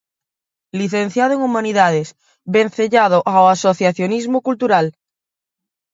Licenciado en Humanidades, vencellado ao asociacionismo cultural.